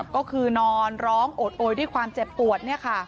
ก็คือนอนร้องโอดโอยด้วยความเจ็บปวด